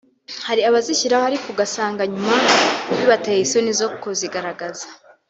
Hari abazishyiraho ariko ugasanga nyuma bibateye isoni zo kuzigaragaza